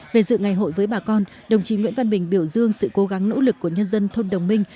về dự ngày hội với bà con đồng chí nguyễn văn bình biểu dương sự cố gắng nỗ lực của nhân dân thôn đồng minh